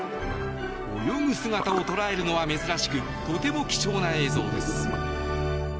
泳ぐ姿を捉えるのは珍しくとても貴重な映像です。